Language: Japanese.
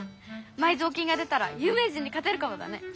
埋蔵金が出たらゆう名人にかてるかもだね！